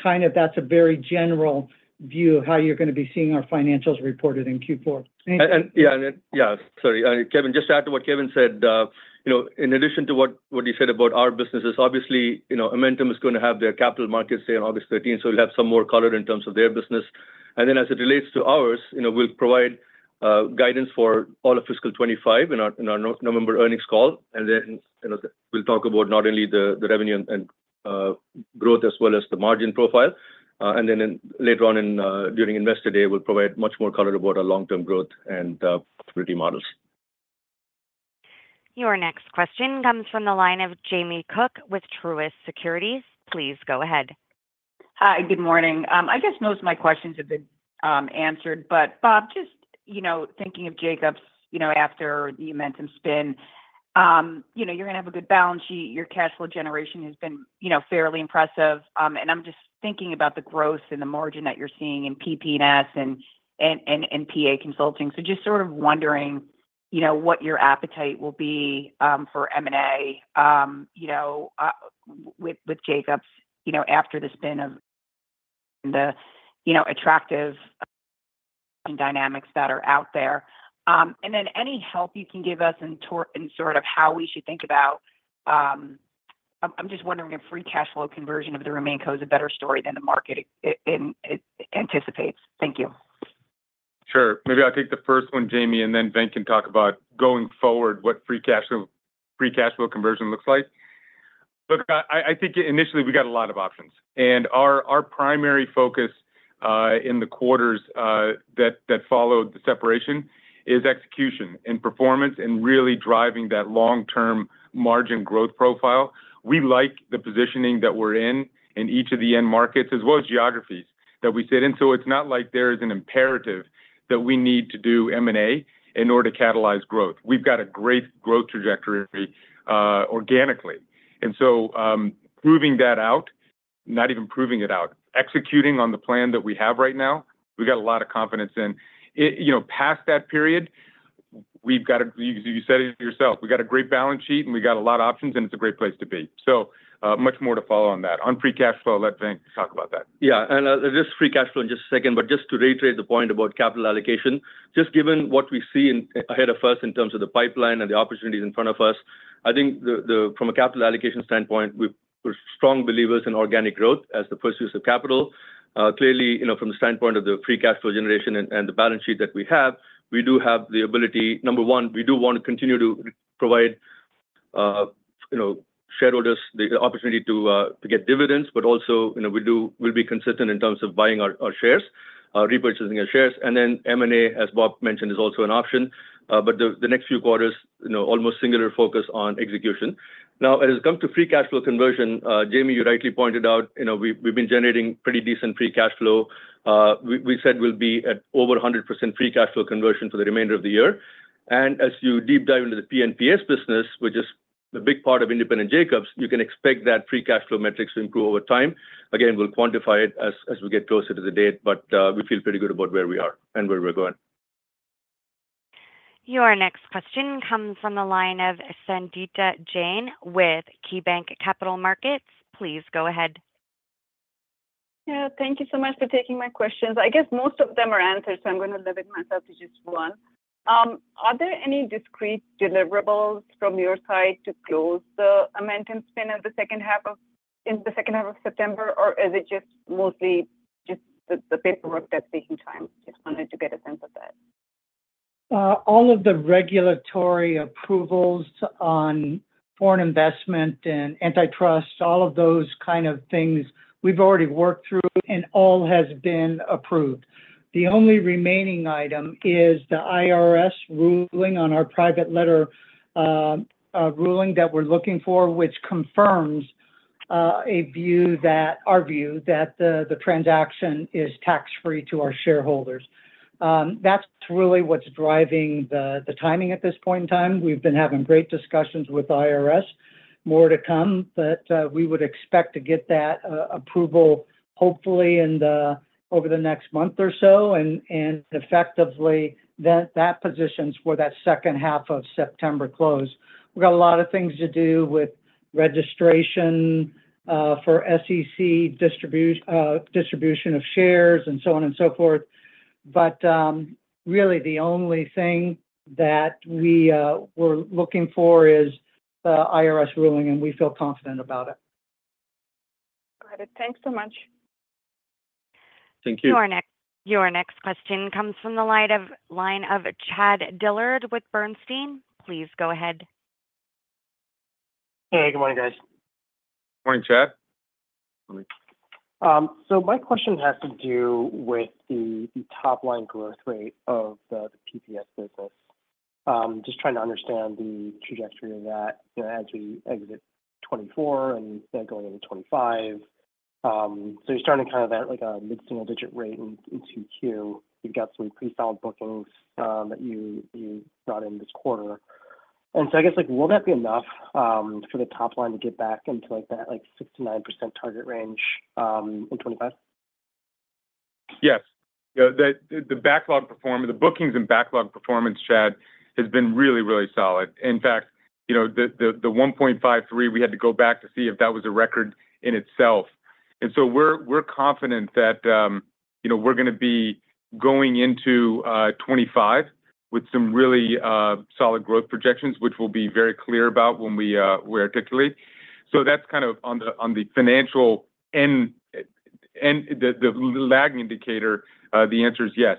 kind of that's a very general view of how you're gonna be seeing our financials reported in Q4. Thank you. Sorry, Kevin, just to add to what Kevin said, you know, in addition to what he said about our businesses, obviously, you know, Amentum is gonna have their capital markets day on August 13, so we'll have some more color in terms of their business. And then as it relates to ours, you know, we'll provide guidance for all of fiscal 2025 in our November earnings call, and then, you know, we'll talk about not only the revenue and growth as well as the margin profile. And then later on during Investor Day, we'll provide much more color about our long-term growth and proxy models. Your next question comes from the line of Jamie Cook with Truist Securities. Please go ahead. Hi, good morning. I guess most of my questions have been answered. But Bob, just, you know, thinking of Jacobs, you know, after the Amentum spin, you know, you're gonna have a good balance sheet. Your cash flow generation has been, you know, fairly impressive. And I'm just thinking about the growth and the margin that you're seeing in P&PS and PA Consulting. So just sort of wondering, you know, what your appetite will be for M&A, you know, with Jacobs, you know, after the spin of the attractive dynamics that are out there. And then any help you can give us in sort of how we should think about... I'm just wondering if free cash flow conversion of the RemainCo is a better story than the market anticipates. Thank you. Sure. Maybe I'll take the first one, Jamie, and then Venk can talk about, going forward, what free cash flow, free cash flow conversion looks like. Look, I think initially, we got a lot of options, and our primary focus in the quarters that followed the separation is execution and performance and really driving that long-term margin growth profile. We like the positioning that we're in in each of the end markets, as well as geographies that we sit in. So it's not like there is an imperative that we need to do M&A in order to catalyze growth. We've got a great growth trajectory, organically. And so, proving that out, not even proving it out, executing on the plan that we have right now, we've got a lot of confidence in. You know, past that period, we've got. You said it yourself, we've got a great balance sheet, and we got a lot of options, and it's a great place to be. So, much more to follow on that. On free cash flow, I'll let Venk talk about that. Yeah, just free cash flow in just a second, but just to reiterate the point about capital allocation, just given what we see ahead of us in terms of the pipeline and the opportunities in front of us, I think the, from a capital allocation standpoint, we're strong believers in organic growth as the first use of capital. Clearly, you know, from the standpoint of the free cash flow generation and the balance sheet that we have, we do have the ability. Number one, we do want to continue to provide, you know, shareholders the opportunity to get dividends, but also, you know, we'll be consistent in terms of buying our shares, repurchasing our shares, and then M&A, as Bob mentioned, is also an option. But the next few quarters, you know, almost singular focus on execution. Now, as it comes to free cash flow conversion, Jamie, you rightly pointed out, you know, we've been generating pretty decent free cash flow. We said we'll be at over 100% free cash flow conversion for the remainder of the year. And as you deep dive into the P&PS business, which is a big part of independent Jacobs, you can expect that free cash flow metrics to improve over time. Again, we'll quantify it as we get closer to the date, but we feel pretty good about where we are and where we're going. Your next question comes from the line of Sangita Jain with KeyBank Capital Markets. Please go ahead. Yeah, thank you so much for taking my questions. I guess most of them are answered, so I'm gonna limit myself to just one. Are there any discrete deliverables from your side to close the Amentum spin in the second half of September, or is it mostly just the paperwork that's taking time? Just wanted to get a sense of that. All of the regulatory approvals on foreign investment and antitrust, all of those kind of things, we've already worked through, and all has been approved. The only remaining item is the IRS ruling on our private letter, a ruling that we're looking for, which confirms, a view that—our view that the, the transaction is tax-free to our shareholders. That's really what's driving the, the timing at this point in time. We've been having great discussions with IRS, more to come, but, we would expect to get that, approval, hopefully in the, over the next month or so, and, and effectively, that, that positions for that second half of September close. We've got a lot of things to do with-... registration for SEC distribution of shares and so on and so forth. But, really the only thing that we, we're looking for is the IRS ruling, and we feel confident about it. Got it. Thanks so much. Thank you. Your next question comes from the line of Chad Dillard with Bernstein. Please go ahead. Hey, good morning, guys. Morning, Chad. So my question has to do with the top-line growth rate of the P&PS business. Just trying to understand the trajectory of that, you know, as we exit 2024 and then going into 2025. So you're starting kind of at, like, a mid-single-digit rate in 2Q. You've got some pretty solid bookings that you got in this quarter. And so I guess, like, will that be enough for the top line to get back into, like, that 6%-9% target range in 2025? Yes. You know, the backlog performance—the bookings and backlog performance, Chad, has been really, really solid. In fact, you know, the 1.53, we had to go back to see if that was a record in itself. And so we're confident that, you know, we're gonna be going into 2025 with some really solid growth projections, which we'll be very clear about when we articulate. So that's kind of on the financial end, and the lag indicator, the answer is yes.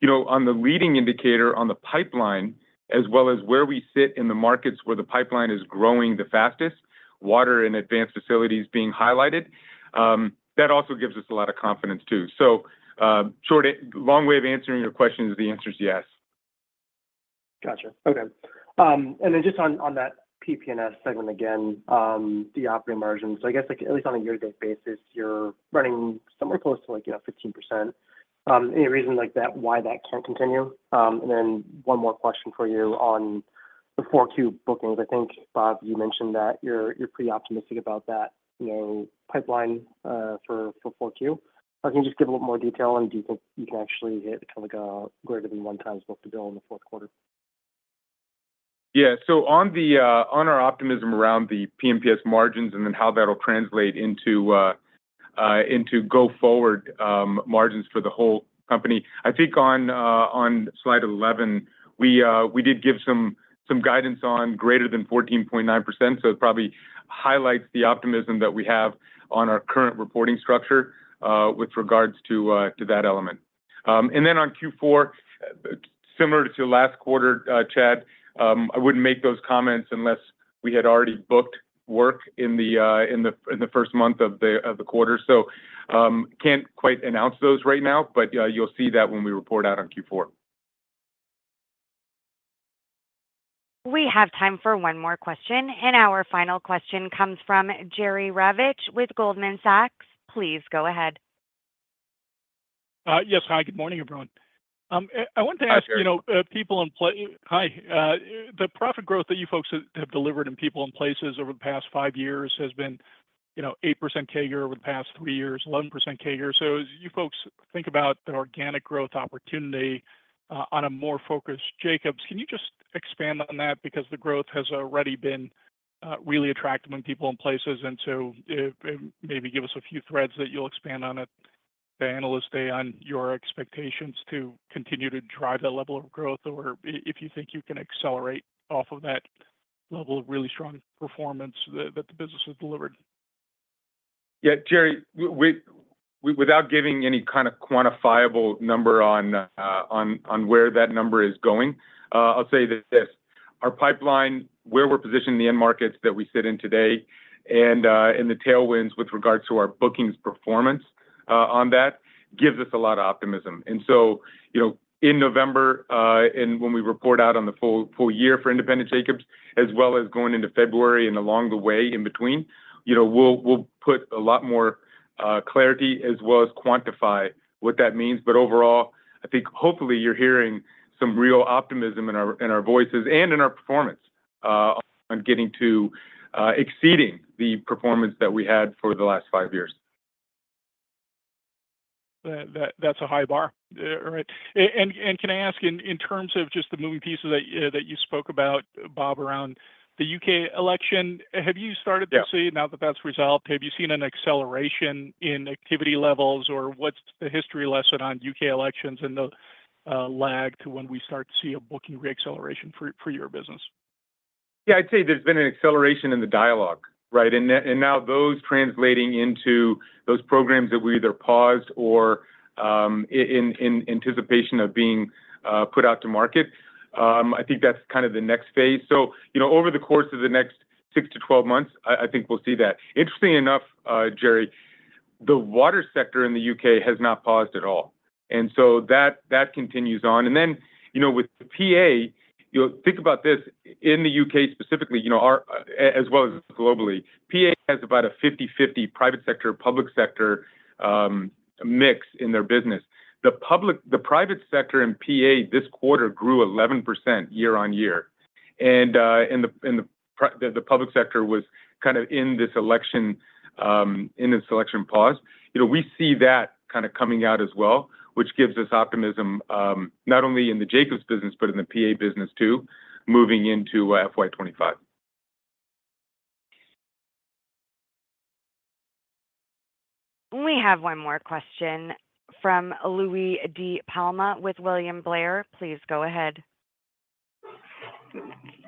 You know, on the leading indicator, on the pipeline, as well as where we sit in the markets where the pipeline is growing the fastest, water and advanced facilities being highlighted, that also gives us a lot of confidence, too. Short and long way of answering your question is the answer is yes. Gotcha. Okay. And then just on that P&PS segment again, the operating margin. So I guess, like, at least on a year-to-date basis, you're running somewhere close to, like, yeah, 15%. Any reason like that, why that can't continue? And then one more question for you on the 4Q bookings. I think, Bob, you mentioned that you're pretty optimistic about that, you know, pipeline, for 4Q. If I can just give a little more detail, and do you think you can actually hit kind of like a greater than 1x book-to-bill in the fourth quarter? Yeah. So on the, on our optimism around the P&PS margins and then how that'll translate into, into go-forward, margins for the whole company, I think on, on slide 11, we, we did give some, some guidance on greater than 14.9%, so it probably highlights the optimism that we have on our current reporting structure, with regards to, to that element. And then on Q4, similar to last quarter, Chad, I wouldn't make those comments unless we had already booked work in the, in the, in the first month of the, of the quarter. So, can't quite announce those right now, but, you'll see that when we report out on Q4. We have time for one more question, and our final question comes from Jerry Revich with Goldman Sachs. Please go ahead. Yes. Hi, good morning, everyone. I wanted to ask- Hi, Jerry. You know, people and places. Hi. The profit growth that you folks have, have delivered in people and places over the past five years has been, you know, 8% CAGR over the past three years, 11% CAGR. So as you folks think about the organic growth opportunity, on a more focused Jacobs, can you just expand on that? Because the growth has already been really attractive among people and places, and so, maybe give us a few threads that you'll expand on at the Analyst Day on your expectations to continue to drive that level of growth, or if you think you can accelerate off of that level of really strong performance that, that the business has delivered. Yeah, Jerry, we, without giving any kind of quantifiable number on, on, on where that number is going, I'll say this: our pipeline, where we're positioning the end markets that we sit in today and, and the tailwinds with regards to our bookings performance, on that, gives us a lot of optimism. And so, you know, in November, and when we report out on the full, full year for Independent Jacobs, as well as going into February and along the way in between, you know, we'll, we'll put a lot more, clarity as well as quantify what that means. But overall, I think hopefully you're hearing some real optimism in our, in our voices and in our performance, on getting to, exceeding the performance that we had for the last five years. That's a high bar. Right. And can I ask in terms of just the moving pieces that you spoke about, Bob, around the U.K. election, have you started to see- Yeah... now that that's resolved, have you seen an acceleration in activity levels, or what's the history lesson on U.K. elections and the lag to when we start to see a booking reacceleration for, for your business? Yeah, I'd say there's been an acceleration in the dialogue, right? And now those translating into those programs that we either paused or in anticipation of being put out to market, I think that's kind of the next phase. So, you know, over the course of the next six to 12 months, I think we'll see that. Interestingly enough, Jerry, the water sector in the U.K. has not paused at all, and so that continues on. And then, you know, with the PA, you know, think about this, in the U.K. specifically, you know, as well as globally, PA has about a 50/50 private sector, public sector mix in their business. The private sector in PA this quarter grew 11% year-on-year, and the public sector was kind of in this election pause. You know, we see that kind of coming out as well, which gives us optimism, not only in the Jacobs business, but in the PA business too, moving into FY 2025.... We have one more question from Louie DiPalma with William Blair. Please go ahead.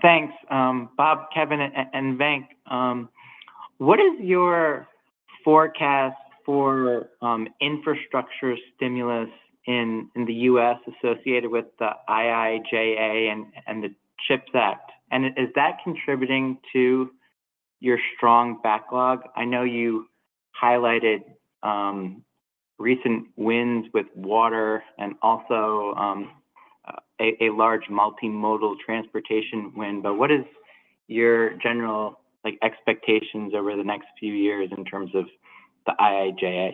Thanks, Bob, Kevin, and Venk. What is your forecast for infrastructure stimulus in the U.S. associated with the IIJA and the CHIPS Act? And is that contributing to your strong backlog? I know you highlighted recent wins with water and also a large multimodal transportation win, but what is your general, like, expectations over the next few years in terms of the IIJA?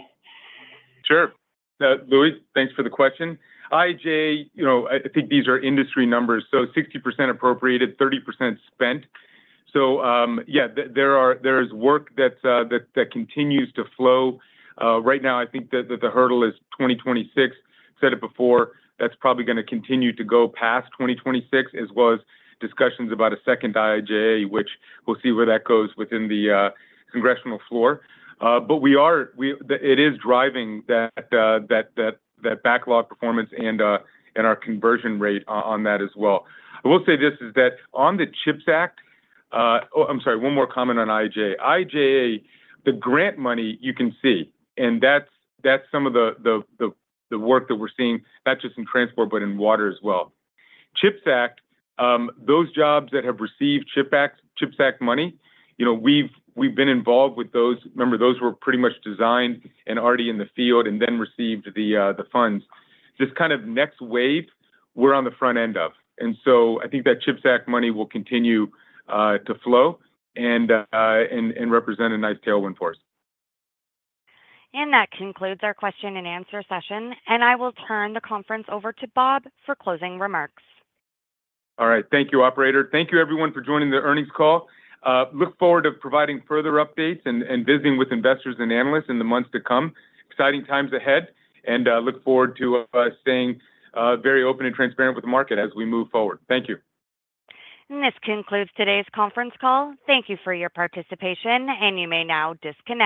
Sure. Louis, thanks for the question. IIJA, you know, I think these are industry numbers, so 60% appropriated, 30% spent. So, there is work that continues to flow. Right now, I think that the hurdle is 2026. Said it before, that's probably gonna continue to go past 2026, as well as discussions about a second IIJA, which we'll see where that goes within the congressional floor. But it is driving that backlog performance and our conversion rate on that as well. I will say this, is that on the CHIPS Act. Oh, I'm sorry, one more comment on IIJA. IIJA, the grant money, you can see, and that's some of the work that we're seeing, not just in transport, but in water as well. CHIPS Act, those jobs that have received CHIPS Act money, you know, we've been involved with those. Remember, those were pretty much designed and already in the field, and then received the funds. This kind of next wave, we're on the front end of, and so I think that CHIPS Act money will continue to flow and represent a nice tailwind for us. That concludes our question-and-answer session, and I will turn the conference over to Bob for closing remarks. All right. Thank you, operator. Thank you everyone for joining the earnings call. Look forward to providing further updates and visiting with investors and analysts in the months to come. Exciting times ahead, and look forward to staying very open and transparent with the market as we move forward. Thank you. This concludes today's conference call. Thank you for your participation, and you may now disconnect.